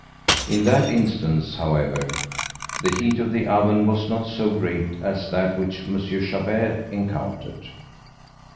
In that instance, however, the heat of the oven was not so great as that which M. Chabert encountered.